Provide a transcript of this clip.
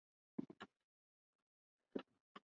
琼中黎族苗族自治县是中国海南省的一个自治县。